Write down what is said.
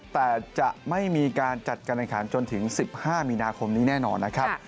แต่จะไม่มีการจัดการแข่งขันจนถึง๑๕มีนาคมนี้แน่นอนนะครับ